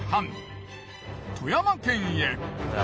富山県へ。